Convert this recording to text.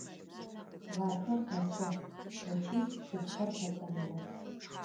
Гъатхэр къэсыгъ, ыкӏи чъыгхэр къэтӏэмыгъэх.